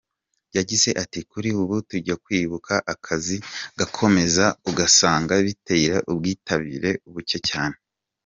Yagize ati “ Kuri ubu tujya kwibuka akazi kagakomeza ugasanga bitera ubwitabire buke cyane.